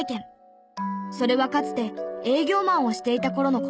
それはかつて営業マンをしていた頃の事。